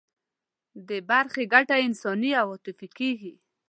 د برخې ګټه یې انساني او عاطفي کېږي.